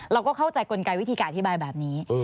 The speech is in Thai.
เราก็เข้าใจกลไกวิธีการอธิบายแบบนี้